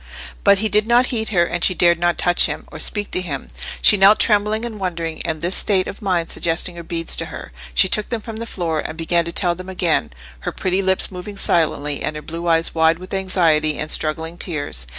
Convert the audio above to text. But he did not heed her, and she dared not touch him, or speak to him: she knelt, trembling and wondering; and this state of mind suggesting her beads to her, she took them from the floor, and began to tell them again, her pretty lips moving silently, and her blue eyes wide with anxiety and struggling tears.